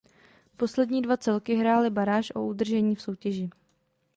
Poslední dva celky hráli baráž o udržení v soutěži.